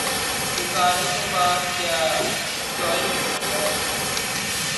بھکاریوں کے پاس کیا چوائس ہوتی ہے؟